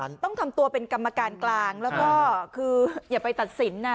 ต้องทำตัวเป็นกรรมการกลางแล้วก็คืออย่าไปตัดสินนะ